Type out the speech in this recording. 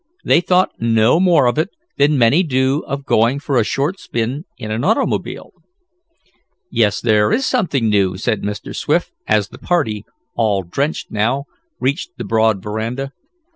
They thought no more of it than many do of going for a short spin in an automobile. "Yes, there is something new," said Mr. Swift, as the party, all drenched now, reached the broad veranda.